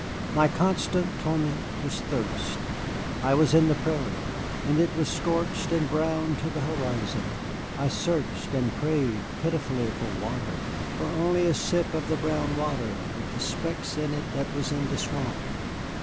My constant torment was thirst. I was in the prairie, and it was scorched and brown to the horizon. I searched and prayed pitifully for water, for only a sip of the brown water with the specks in it that was in the swamp.